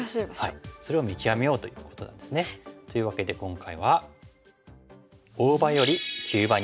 それを見極めようということなんですね。というわけで今回は。